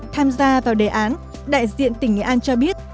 tham gia vào đề án đại diện tỉnh nghệ an cho biết